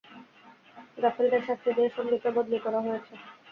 গাফেলদের শাস্তি দিয়ে সন্দীপে বদলি করা হয়েছে।